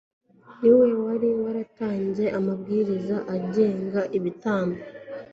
Ni we wari waratanze amabwiriza agenga ibitambo.